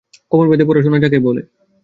কোমর বেঁধে পড়াশোনা যাকে বলে!